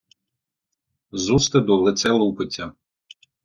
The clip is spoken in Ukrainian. З устиду лице лупиться.